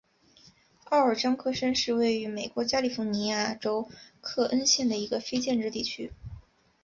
奥尔章克申是位于美国加利福尼亚州克恩县的一个非建制地区。